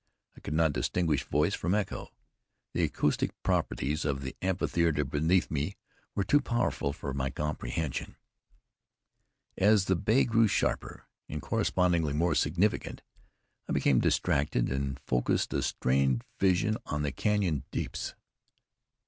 I could not distinguish voice from echo. The acoustic properties of the amphitheater beneath me were too wonderful for my comprehension. As the bay grew sharper, and correspondingly more significant, I became distracted, and focused a strained vision on the canyon deeps.